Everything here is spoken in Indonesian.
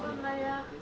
mungkin bapak lihat